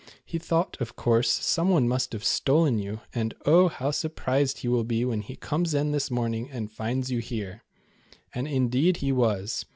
"He thought, of course, someone must have stolen you, and oh, how surprised he will be when he comes in this morning, and finds you here." And indeed he was.